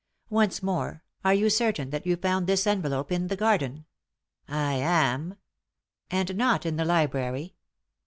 Once more, are you certain that you found this envelope in the garden ?" "I am." "And not in the library?"